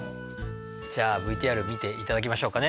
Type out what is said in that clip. じゃあＶＴＲ見ていただきましょうかね